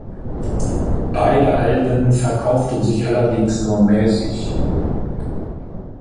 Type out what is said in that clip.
Beide Alben verkauften sich allerdings nur mäßig.